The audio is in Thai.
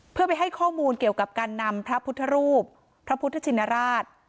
เพื่อไปให้ข้อมูลเกี่ยวกับการนำพระพุทธรูปพระพุทธชินราช